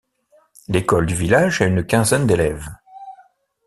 L’école du village a une quinzaine d'élèves.